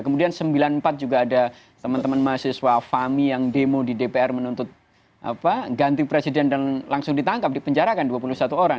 kemudian sembilan puluh empat juga ada teman teman mahasiswa fahmi yang demo di dpr menuntut ganti presiden dan langsung ditangkap dipenjarakan dua puluh satu orang